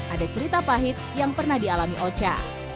ada cerita pahit yang pernah dialami ocha